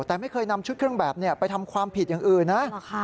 แต่ไม่เคยนำชุดเครื่องแบบไปทำความผิดอย่างอื่นนะ